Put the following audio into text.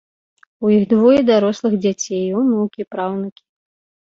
У іх двое дарослых дзяцей, унукі, праўнукі.